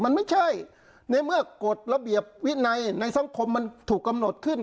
มันไม่ใช่ในเมื่อกฎระเบียบวินัยในสังคมมันถูกกำหนดขึ้น